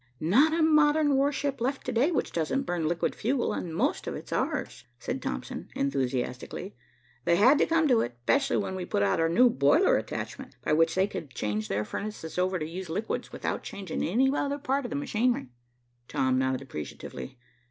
"Not a modern warship left to day which doesn't burn liquid fuel, and most of it's ours," said Thompson enthusiastically. "They had to come to it, especially when we put out our new boiler attachment by which they could change their furnaces over to use liquids without changing any other part of the machinery." Tom nodded appreciatively.